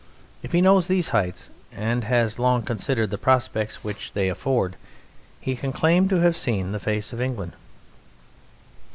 If he knows these heights and has long considered the prospects which they afford, he can claim to have seen the face of England.